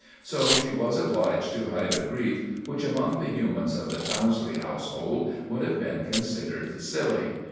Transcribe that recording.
So she was obliged to hide a grief which, among the humans of the Towsley household, would have been considered silly.